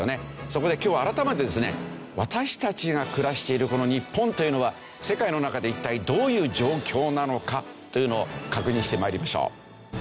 そこで今日は改めてですね私たちが暮らしているこの日本というのは世界の中で一体どういう状況なのかというのを確認して参りましょう。